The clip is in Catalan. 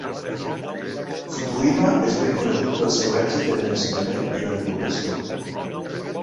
Futuyma és ben conegut pel seu èxit en l'ensenyament i la divulgació.